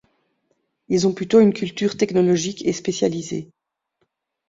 Ils ont plutôt une culture technologique et spécialisée.